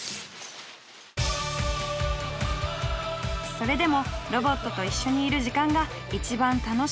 それでもロボットと一緒にいる時間が一番楽しいという皆さん。